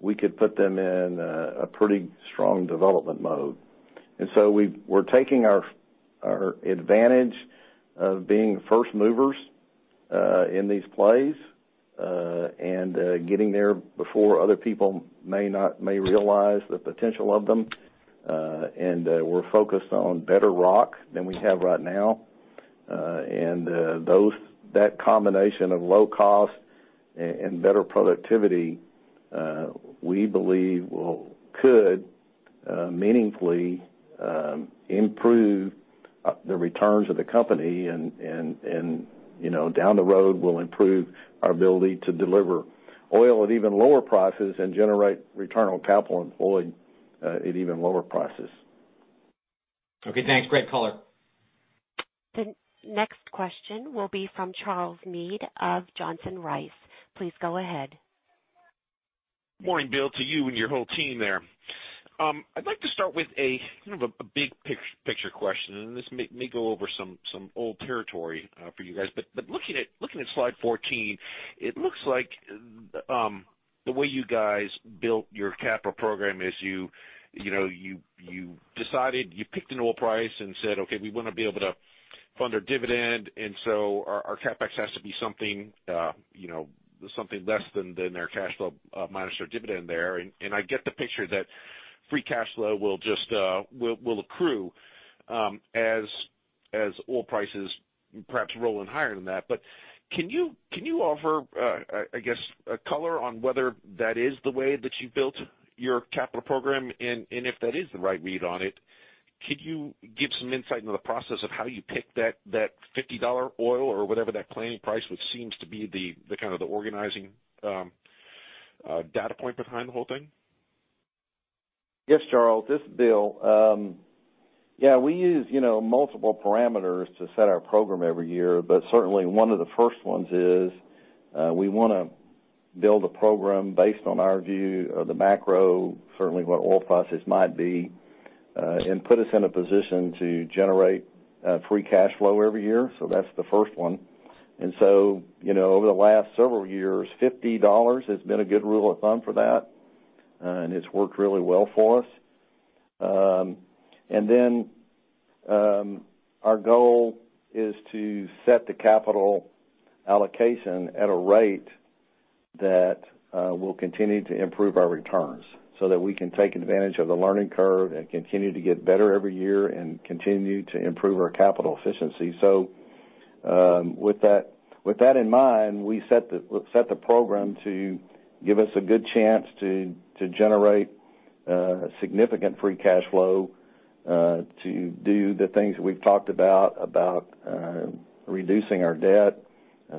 we could put them in a pretty strong development mode. We're taking our advantage of being first movers in these plays, and getting there before other people may realize the potential of them. We're focused on better rock than we have right now. That combination of low cost and better productivity we believe could meaningfully improve the returns of the company and down the road will improve our ability to deliver oil at even lower prices and generate return on capital employed at even lower prices. Okay, thanks. Great color. The next question will be from Charles Meade of Johnson Rice. Please go ahead. Morning, Bill, to you and your whole team there. This may go over some old territory for you guys. Looking at Slide 14, it looks like the way you guys built your capital program is you decided, you picked an oil price and said, "Okay, we want to be able to fund our dividend. Our CapEx has to be something less than their cash flow, minus their dividend there." I get the picture that free cash flow will accrue as oil prices perhaps roll in higher than that. Can you offer, I guess, a color on whether that is the way that you built your capital program, and if that is the right read on it, could you give some insight into the process of how you pick that $50 oil or whatever that planning price, which seems to be the kind of the organizing data point behind the whole thing? Yes, Charles, this is Bill. Yeah, we use multiple parameters to set our program every year, certainly one of the first ones is we want to build a program based on our view of the macro, certainly what oil prices might be, and put us in a position to generate free cash flow every year. That's the first one. Over the last several years, $50 has been a good rule of thumb for that, it's worked really well for us. Our goal is to set the capital allocation at a rate that will continue to improve our returns so that we can take advantage of the learning curve and continue to get better every year and continue to improve our capital efficiency. With that in mind, we set the program to give us a good chance to generate significant free cash flow, to do the things that we've talked about reducing our debt,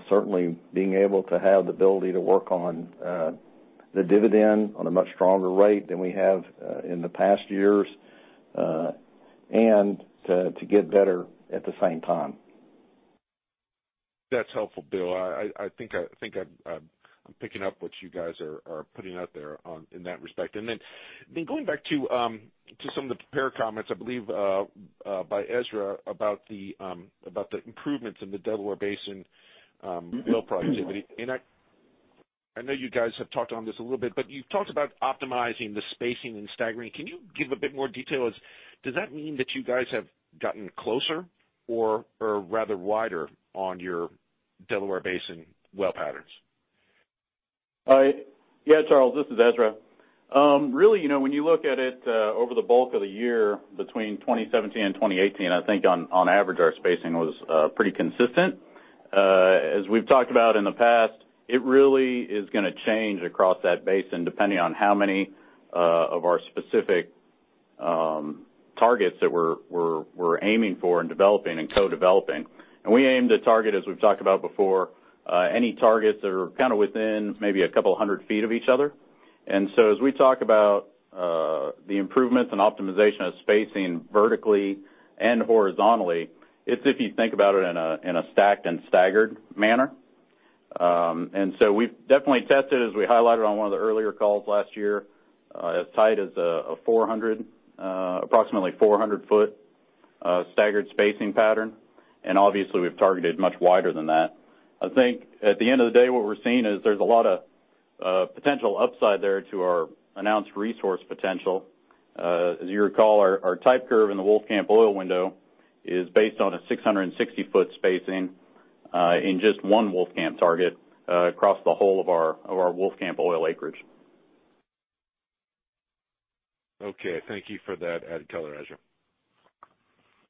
certainly being able to have the ability to work on the dividend on a much stronger rate than we have in the past years, and to get better at the same time. That's helpful, Bill. I think I'm picking up what you guys are putting out there in that respect. Going back to some of the prepared comments, I believe by Ezra, about the improvements in the Delaware Basin well productivity. I know you guys have touched on this a little bit, but you've talked about optimizing the spacing and staggering. Can you give a bit more detail? Does that mean that you guys have gotten closer or rather wider on your Delaware Basin well patterns? Charles, this is Ezra. Really, when you look at it over the bulk of the year between 2017 and 2018, I think on average our spacing was pretty consistent. As we've talked about in the past, it really is going to change across that basin depending on how many of our specific targets that we're aiming for and developing and co-developing. We aim to target, as we've talked about before, any targets that are kind of within maybe a couple of hundred feet of each other. As we talk about the improvements and optimization of spacing vertically and horizontally, it's if you think about it in a stacked and staggered manner. We've definitely tested, as we highlighted on one of the earlier calls last year, as tight as approximately 400-foot staggered spacing pattern. Obviously, we've targeted much wider than that. I think at the end of the day, what we're seeing is there's a lot of potential upside there to our announced resource potential. As you recall, our type curve in the Wolfcamp Oil Window is based on a 660-foot spacing in just one Wolfcamp target across the whole of our Wolfcamp oil acreage. Okay. Thank you for that added color, Ezra.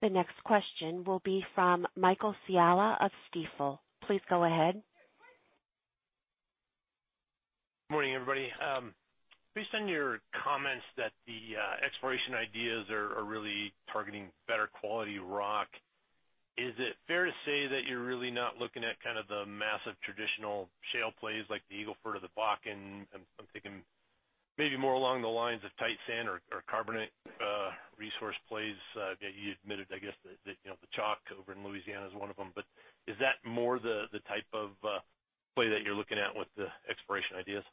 The next question will be from Michael Scialla of Stifel. Please go ahead. Morning, everybody. Based on your comments that the exploration ideas are really targeting better quality rock, is it fair to say that you're really not looking at kind of the massive traditional shale plays like the Eagle Ford or the Bakken? I'm thinking maybe more along the lines of tight sand or carbonate resource plays. You admitted, I guess, that the Chalk over in Louisiana is one of them. Is that more the type of play that you're looking at with the exploration ideas?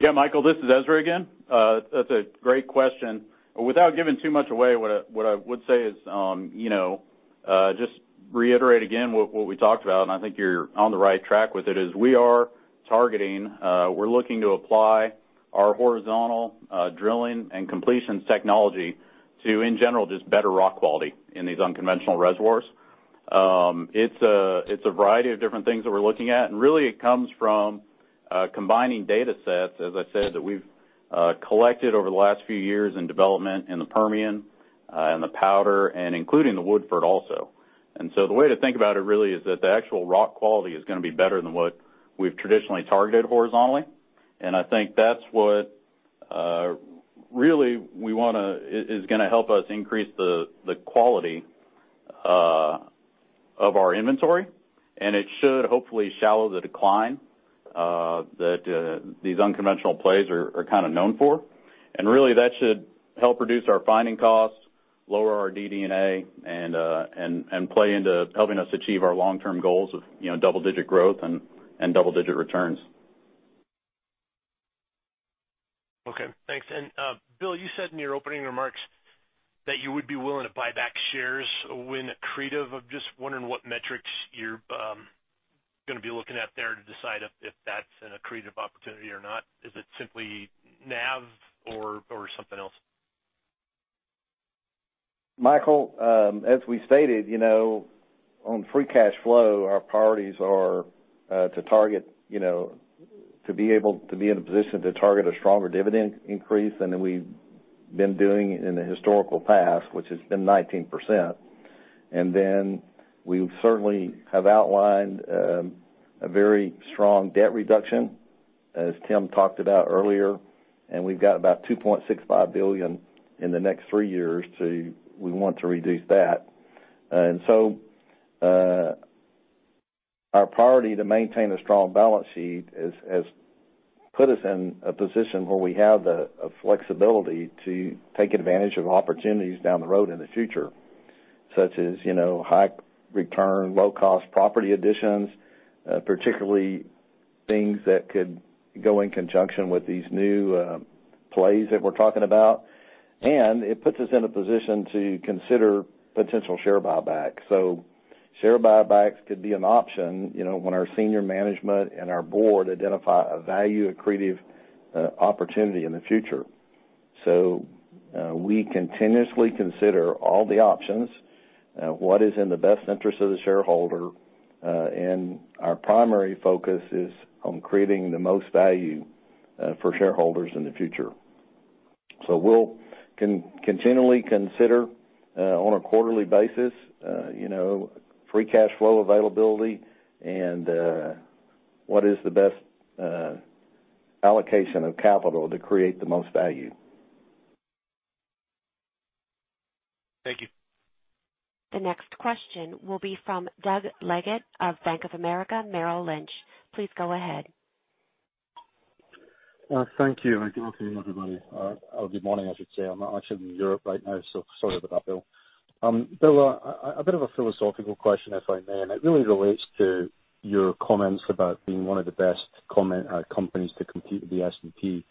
Yeah, Michael, this is Ezra again. That's a great question. Without giving too much away, what I would say is just reiterate again what we talked about, and I think you're on the right track with it, is we are targeting, we're looking to apply our horizontal drilling and completion technology to, in general, just better rock quality in these unconventional reservoirs. It's a variety of different things that we're looking at, and really it comes from combining data sets, as I said, that we've collected over the last few years in development in the Permian and the Powder, and including the Woodford also. The way to think about it really is that the actual rock quality is going to be better than what we've traditionally targeted horizontally. I think that's what really is going to help us increase the quality of our inventory. It should hopefully shallow the decline that these unconventional plays are kind of known for. Really, that should help reduce our finding costs, lower our DD&A, and play into helping us achieve our long-term goals of double-digit growth and double-digit returns. Okay, thanks. Bill, you said in your opening remarks that you would be willing to buy back shares when accretive. I'm just wondering what metrics you're going to be looking at there to decide if that's an accretive opportunity or not. Is it simply NAV or something else? Michael, as we stated, on free cash flow, our priorities are to be in a position to target a stronger dividend increase than we've been doing in the historical past, which has been 19%. Then we certainly have outlined a very strong debt reduction, as Tim talked about earlier, and we've got about $2.65 billion in the next three years, so we want to reduce that. Our priority to maintain a strong balance sheet has put us in a position where we have the flexibility to take advantage of opportunities down the road in the future, such as high return, low-cost property additions, particularly things that could go in conjunction with these new plays that we're talking about. It puts us in a position to consider potential share buyback. Share buybacks could be an option when our senior management and our board identify a value-accretive opportunity in the future. We continuously consider all the options, what is in the best interest of the shareholder. Our primary focus is on creating the most value for shareholders in the future. We'll continually consider, on a quarterly basis, free cash flow availability and what is the best allocation of capital to create the most value. Thank you. The next question will be from Doug Leggate of Bank of America Merrill Lynch. Please go ahead. Thank you. Good afternoon, everybody. Or good morning, I should say. I'm actually in Europe right now, so sorry about that, Bill. Bill, a bit of a philosophical question, if I may, it really relates to your comments about being one of the best companies to compete with the S&P.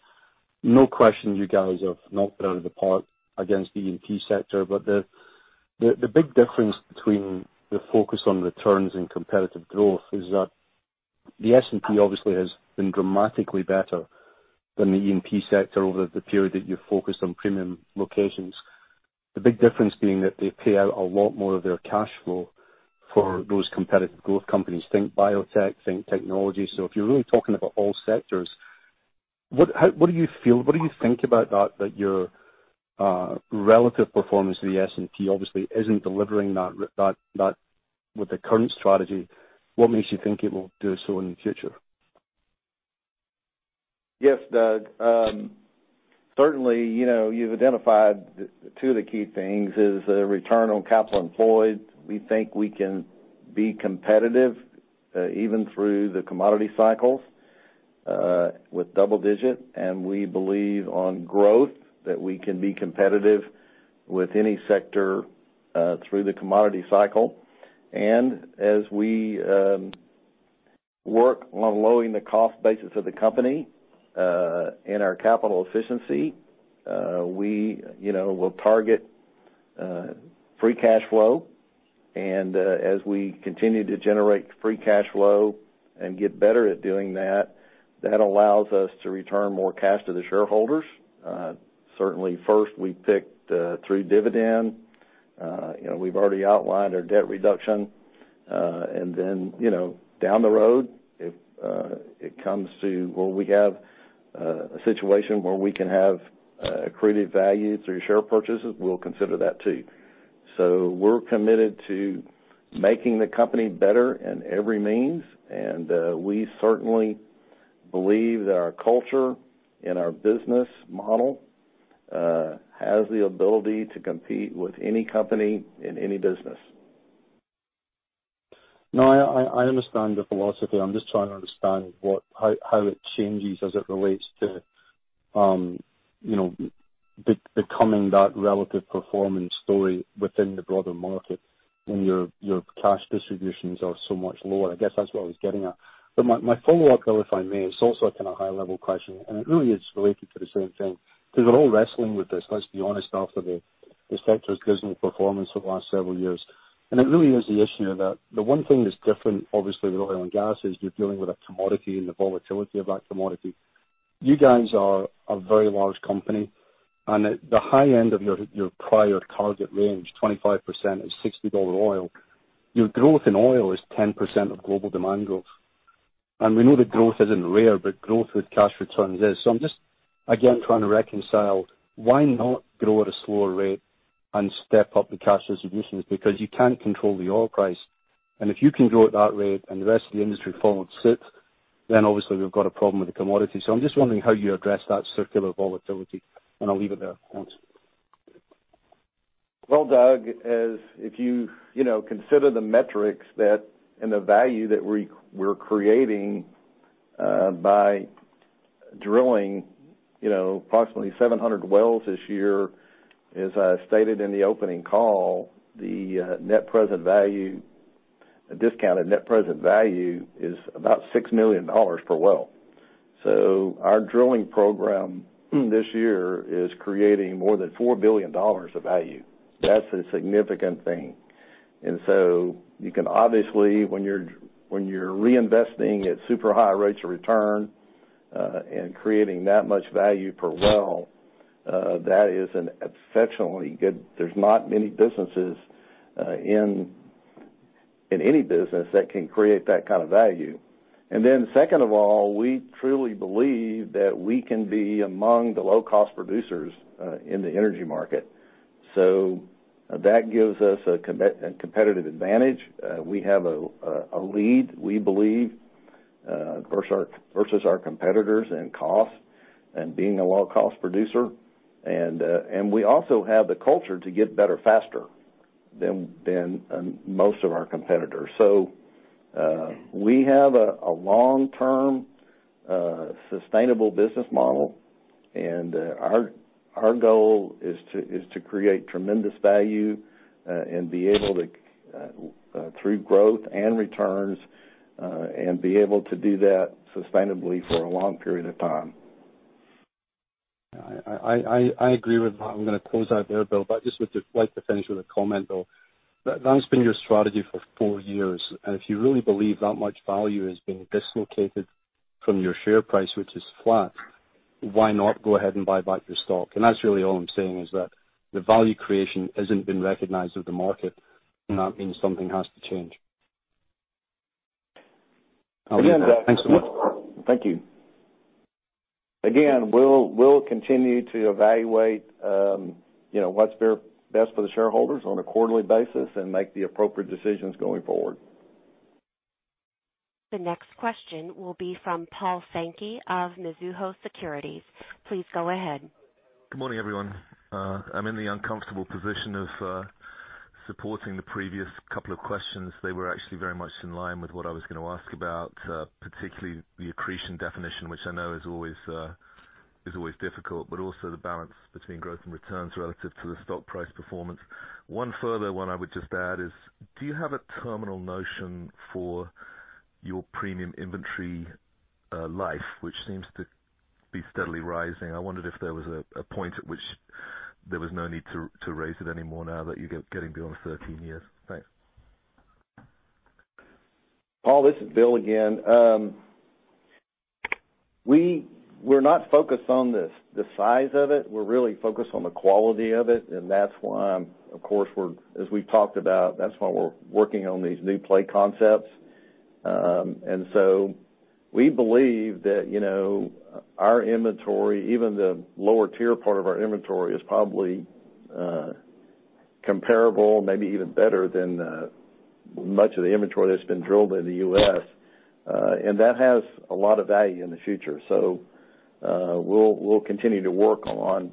No question you guys have knocked it out of the park against the E&P sector, but the big difference between the focus on returns and competitive growth is that the S&P obviously has been dramatically better than the E&P sector over the period that you focused on premium locations. The big difference being that they pay out a lot more of their cash flow for those competitive growth companies. Think biotech, think technology. If you're really talking about all sectors, what do you think about that your relative performance to the S&P obviously isn't delivering that with the current strategy. What makes you think it will do so in the future? Yes, Doug. Certainly, you've identified two of the key things, is the return on capital employed. We think we can be competitive even through the commodity cycles with double-digit. We believe on growth that we can be competitive with any sector through the commodity cycle. As we work on lowering the cost basis of the company and our capital efficiency, we'll target free cash flow. As we continue to generate free cash flow and get better at doing that allows us to return more cash to the shareholders. Certainly, first, we picked through dividend. We've already outlined our debt reduction. Then down the road, if it comes to where we have a situation where we can have accretive value through share purchases, we'll consider that too. We're committed to making the company better in every means, we certainly believe that our culture and our business model has the ability to compete with any company in any business. I understand the philosophy. I'm just trying to understand how it changes as it relates to becoming that relative performance story within the broader market when your cash distributions are so much lower. I guess that's what I was getting at. My follow-up, Bill, if I may. It's also a kind of high-level question, and it really is related to the same thing. We're all wrestling with this, let's be honest, after the sector's dismal performance over the last several years. It really is the issue that the one thing that's different, obviously, with oil and gas is you're dealing with a commodity and the volatility of that commodity. You guys are a very large company, and at the high end of your prior target range, 25% is $60 oil. Your growth in oil is 10% of global demand growth. We know that growth isn't rare, growth with cash returns is. I'm just, again, trying to reconcile why not grow at a slower rate and step up the cash distributions? You can't control the oil price. If you can grow at that rate and the rest of the industry follows suit, obviously we've got a problem with the commodity. I'm just wondering how you address that circular volatility, and I'll leave it there. Thanks. Well, Doug, if you consider the metrics and the value that we're creating by drilling approximately 700 wells this year, as I stated in the opening call, the discounted net present value is about $6 million per well. Our drilling program this year is creating more than $4 billion of value. That's a significant thing. You can obviously, when you're reinvesting at super high rates of return and creating that much value per well, that is exceptionally good. There's not many businesses in any business that can create that kind of value. Second of all, we truly believe that we can be among the low-cost producers in the energy market. That gives us a competitive advantage. We have a lead, we believe, versus our competitors in cost and being a low-cost producer. We also have the culture to get better faster than most of our competitors. We have a long-term, sustainable business model, and our goal is to create tremendous value through growth and returns, and be able to do that sustainably for a long period of time. I agree with that. I'm going to close out there, Bill, I just would like to finish with a comment, though. That's been your strategy for four years, if you really believe that much value has been dislocated from your share price, which is flat, why not go ahead and buy back your stock? That's really all I'm saying, is that the value creation hasn't been recognized with the market, that means something has to change. Again, Doug. Thanks so much. Thank you. We'll continue to evaluate what's best for the shareholders on a quarterly basis and make the appropriate decisions going forward. The next question will be from Paul Sankey of Mizuho Securities. Please go ahead. Good morning, everyone. I'm in the uncomfortable position of supporting the previous couple of questions. They were actually very much in line with what I was going to ask about, particularly the accretion definition, which I know is always difficult, but also the balance between growth and returns relative to the stock price performance. One further one I would just add is, do you have a terminal notion for your premium inventory life, which seems to be steadily rising? I wondered if there was a point at which there was no need to raise it anymore now that you're getting beyond 13 years. Thanks. Paul, this is Bill again. We're not focused on the size of it. We're really focused on the quality of it, and that's why, of course, as we've talked about, that's why we're working on these new play concepts. We believe that our inventory, even the lower tier part of our inventory, is probably comparable, maybe even better than much of the inventory that's been drilled in the U.S., and that has a lot of value in the future. We'll continue to work on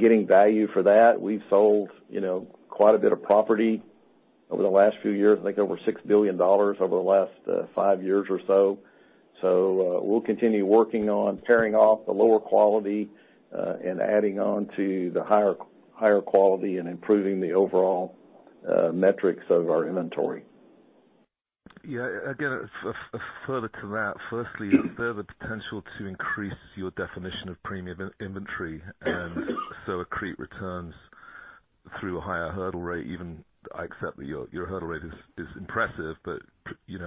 getting value for that. We've sold quite a bit of property over the last few years, I think over $6 billion over the last five years or so. We'll continue working on pairing off the lower quality and adding on to the higher quality and improving the overall metrics of our inventory. Yes. Again, further to that, firstly, is there the potential to increase your definition of premium inventory and accrete returns through a higher hurdle rate even? I accept that your hurdle rate is impressive, but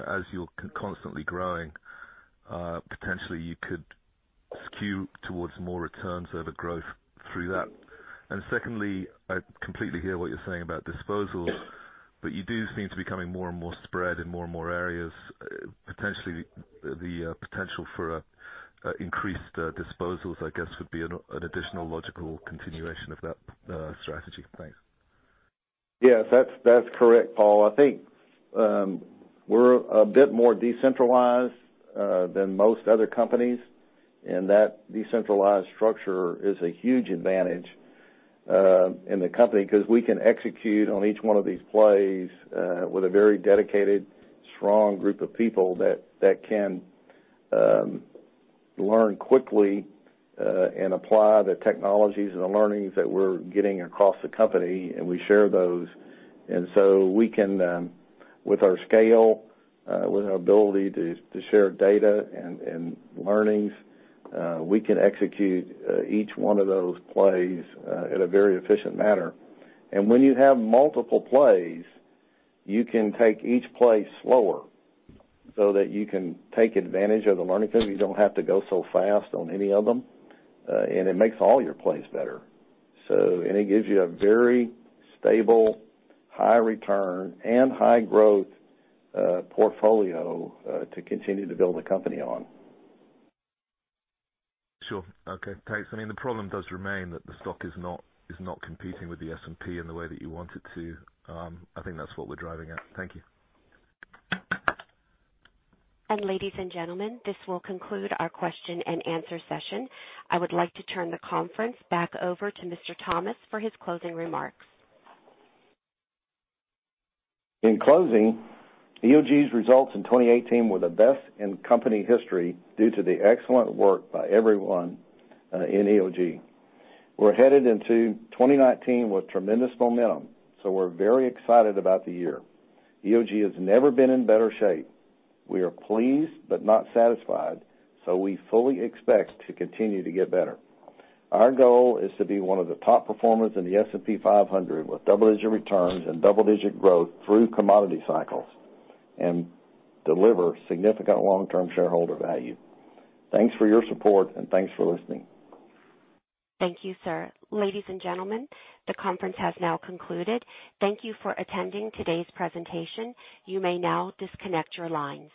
as you're constantly growing, potentially you could skew towards more returns over growth through that. Secondly, I completely hear what you're saying about disposals, but you do seem to be becoming more and more spread in more and more areas. Potentially, the potential for increased disposals, I guess, would be an additional logical continuation of that strategy. Thank you. Yes. That's correct, Paul. I think we're a bit more decentralized than most other companies. That decentralized structure is a huge advantage in the company because we can execute on each one of these plays with a very dedicated, strong group of people that can learn quickly and apply the technologies and the learnings that we're getting across the company. We share those. With our scale, with our ability to share data and learnings, we can execute each one of those plays in a very efficient manner. When you have multiple plays, you can take each play slower so that you can take advantage of the learning curve. You don't have to go so fast on any of them, and it makes all your plays better. It gives you a very stable, high return, and high growth portfolio to continue to build the company on. Sure. Okay. Thanks. I mean, the problem does remain that the stock is not competing with the S&P in the way that you want it to. I think that's what we're driving at. Thank you. Ladies and gentlemen, this will conclude our question-and-answer session. I would like to turn the conference back over to Mr. Thomas for his closing remarks. In closing, EOG's results in 2018 were the best in company history due to the excellent work by everyone in EOG. We're headed into 2019 with tremendous momentum, so we're very excited about the year. EOG has never been in better shape. We are pleased but not satisfied, so we fully expect to continue to get better. Our goal is to be one of the top performers in the S&P 500 with double-digit returns and double-digit growth through commodity cycles, and deliver significant long-term shareholder value. Thanks for your support, and thanks for listening. Thank you, sir. Ladies and gentlemen, the conference has now concluded. Thank you for attending today's presentation. You may now disconnect your lines.